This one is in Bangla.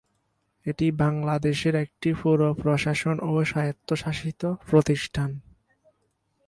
এটি বাংলাদেশের একটি পৌর প্রশাসন ও স্বায়ত্তশাসিত প্রতিষ্ঠান।